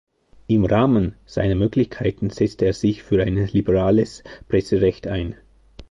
Im Rahmen seiner Möglichkeiten setzte er sich für ein liberales Presserecht ein.